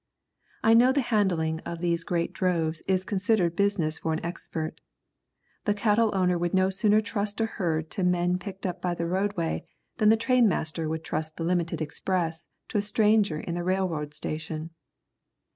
I know the handling of these great droves is considered business for an expert. The cattle owner would no sooner trust a herd to men picked up by the roadway than the trainmaster would trust the limited express to a stranger in the railroad station.